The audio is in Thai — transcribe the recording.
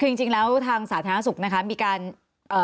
คือจริงจริงแล้วทางสาธารณสุขนะคะมีการเอ่อ